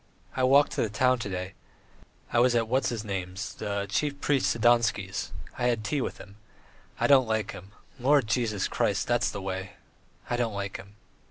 I walked to the town to day; I was at what's his name's the chief priest Sidonsky's. ... I had tea with him. I don't like him. Lord Jesus Christ. ... That's the way. I don't like him."